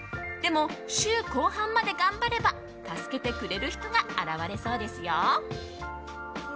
でも、週後半まで頑張れば助けてくれる人が現れそうですよ。